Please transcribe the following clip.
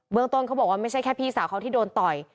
เมืองต้นเขาบอกว่าไม่ใช่แค่พี่สาวเขาที่โดนต่อย